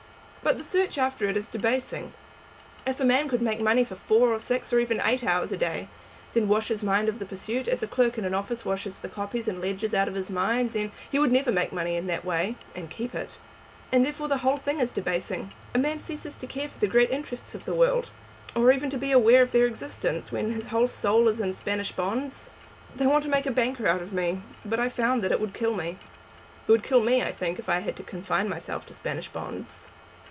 "But the search after it is debasing. If a man could make money for four, or six, or even eight hours a day, and then wash his mind of the pursuit, as a clerk in an office washes the copies and ledgers out of his mind, then " "He would never make money in that way, and keep it." "And therefore the whole thing is debasing. A man ceases to care for the great interests of the world, or even to be aware of their existence, when his whole soul is in Spanish bonds. They wanted to make a banker of me, but I found that it would kill me." "It would kill me, I think, if I had to confine myself to Spanish bonds."